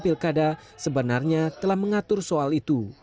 pemerintah yang memilkada sebenarnya telah mengatur soal itu